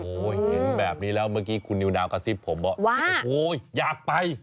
โอ้โหเห็นแบบนี้แล้วเมื่อกี้คุณนิวนาวกระซิบผมว่าโอ้โหอยากไป